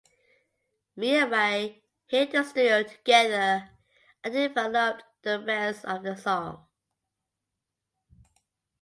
Me and Raye hit the studio together and developed the rest of the song.